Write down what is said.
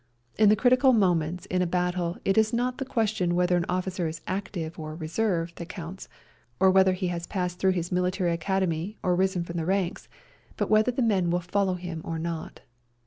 In the critical moments in a battle it is not the question whether an officer is " active " or " reserve " that counts, or whether he has passed through his military academy or risen from the ranks, but whether the men will follow him or not.